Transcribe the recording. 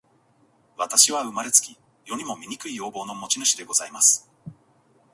私は生れつき、世にも醜い容貌の持主でございます。